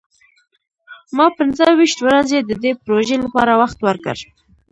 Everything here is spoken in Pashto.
ما پنځه ویشت ورځې د دې پروژې لپاره وخت ورکړ.